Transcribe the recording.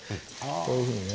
こういうふうにね。